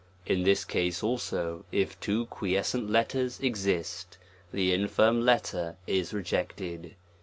In this case also, if two quiescent letters *9 exist, the infirm letter is rejected.